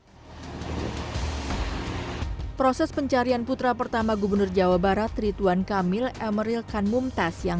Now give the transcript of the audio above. hai proses pencarian putra pertama gubernur jawa barat ridwan kamil emeril kan mumtaz yang